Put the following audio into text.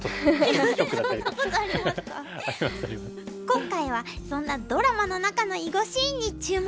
今回はそんなドラマの中の囲碁シーンに注目。